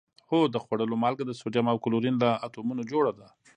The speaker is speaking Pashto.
هو د خوړلو مالګه د سوډیم او کلورین له اتومونو جوړه ده